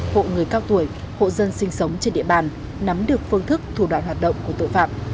hộ người cao tuổi hộ dân sinh sống trên địa bàn nắm được phương thức thủ đoạn hoạt động của tội phạm